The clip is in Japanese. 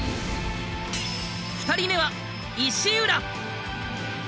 ２人目は石浦。